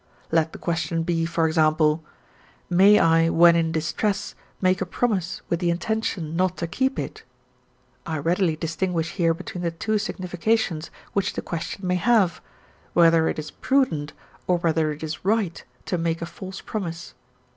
Let the question be, for example: May I when in distress make a promise with the intention not to keep it? I readily distinguish here between the two significations which the question may have: Whether it is prudent, or whether it is right, to make a false promise?